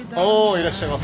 いらっしゃいませ。